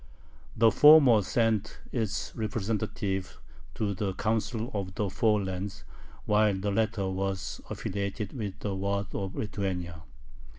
The former sent its representatives to the Council of the Four Lands, while the latter was affiliated with the Waad of Lithuania.